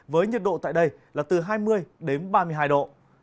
với nhiệt độ tại đây là từ hai mươi đến ba mươi hai độ